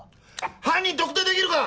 犯人特定できるか？